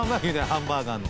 ハンバーガーの。